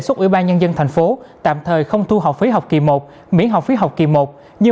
xuất ủy ban nhân dân thành phố tạm thời không thu học phí học kỳ một miễn học phí học kỳ một như